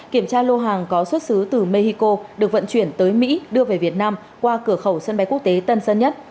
kiểm tra lô hàng có xuất xứ từ mexico được vận chuyển tới mỹ đưa về việt nam qua cửa khẩu sân bay quốc tế tân sơn nhất